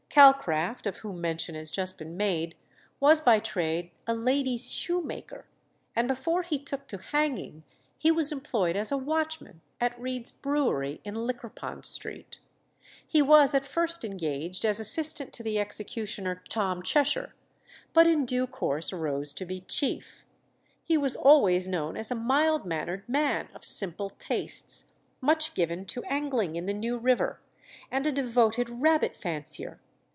Calcraft, of whom mention has just been made, was by trade a lady's shoemaker, and before he took to hanging he was employed as a watchman at Reid's brewery in Liquorpond Street. He was at first engaged as assistant to the executioner Tom Cheshire, but in due course rose to be chief. He was always known as a mild mannered man of simple tastes, much given to angling in the New River, and a devoted rabbit fancier.